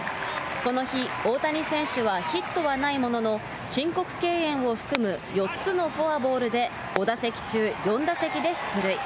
この日、大谷選手はヒットはないものの、申告敬遠を含む４つのフォアボールで５打席中４打席で出塁。